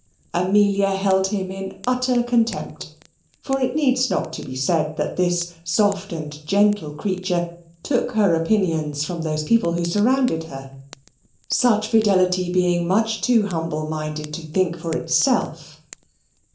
Amelia held him in utter contempt; for it needs not to be said that this soft and gentle creature took her opinions from those people who surrounded her, such fidelity being much too humble minded to think for itself.